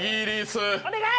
お願い！